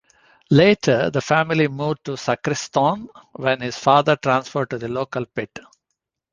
Later, the family moved to Sacriston, when his father transferred to the local pit.